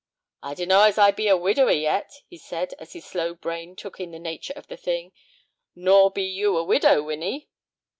"I dunno as I be a widower yet," he said, as his slow brain took in the nature of the thing, "nor be you a widow, Winnie."